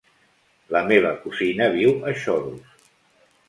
La meva cosina viu a Xodos.